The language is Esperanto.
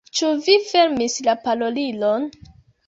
Ĉu vi fermis la parolilon?